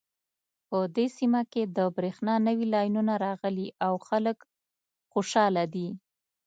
په دې سیمه کې د بریښنا نوې لینونه راغلي او خلک خوشحاله دي